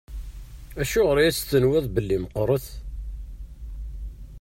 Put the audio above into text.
Acuɣer i as-tenwiḍ belli meqqṛet?